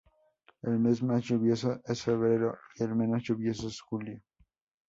El mes más lluvioso es febrero y el menos lluvioso es julio.